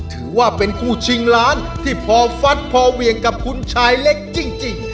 ถือว่าเป็นคู่ชิงล้านที่พอฟัดพอเวียงกับคุณชายเล็กจริง